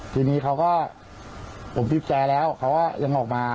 ทีนี้เขาก็ผมบีบแจแล้วเขาก็ยังออกมา